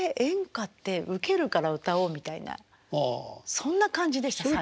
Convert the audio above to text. そんな感じでした最初。